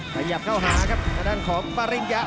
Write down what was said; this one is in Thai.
ขยับเข้าหาครับทางด้านของปริญญา